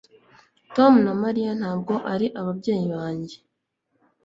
Tom na Mariya ntabwo ari ababyeyi banjye